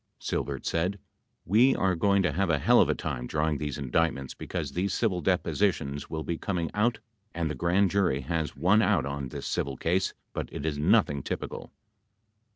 Silbert said, "We are going to have a hell of a time drawing these indict ments because these civil depositions will be coming out and the Grand Jury has one out on this civil case but it is nothing typical.